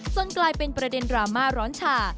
จนกลายเป็นประเด็นรามาร้อนฉ่า